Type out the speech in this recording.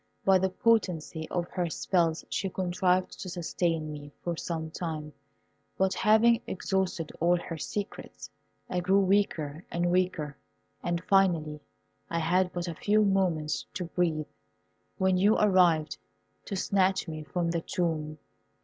By the potency of her spells she contrived to sustain me for some time, but having exhausted all her secrets, I grew weaker and weaker, and finally had but a few moments to breathe, when you arrived to snatch me from the tomb.